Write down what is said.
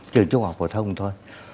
trường trung học phổ thông thôi